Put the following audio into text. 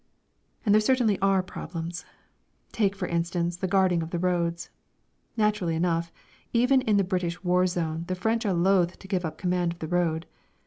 And there certainly are problems. Take, for instance, the guarding of the roads. Naturally enough, even in the British War Zone the French are loath to give up command of the road.